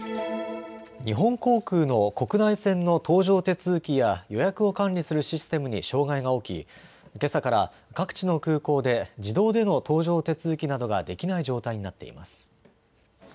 日本航空の国内線の搭乗手続きや予約を管理するシステムに障害が起き、けさから各地の空港で自動での搭乗手続きなどができない状態になっています。